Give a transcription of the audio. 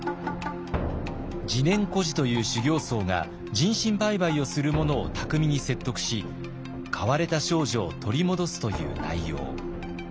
自然居士という修行僧が人身売買をする者を巧みに説得し買われた少女を取り戻すという内容。